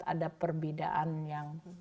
ada perbedaan yang